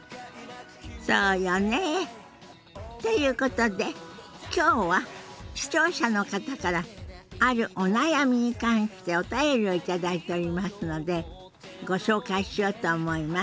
そうよね。ということで今日は視聴者の方からあるお悩みに関してお便りを頂いておりますのでご紹介しようと思います。